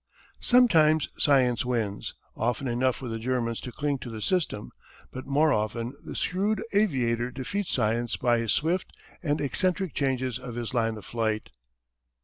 Sometimes science wins, often enough for the Germans to cling to the system. But more often the shrewd aviator defeats science by his swift and eccentric changes of his line of flight.